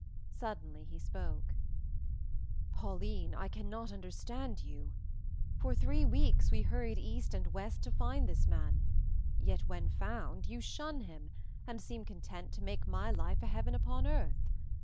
Suddenly he spoke: "Pauline, I cannot understand you! For three weeks we hurried east and west to find this man, yet when found you shun him and seem content to make my life a heaven upon earth.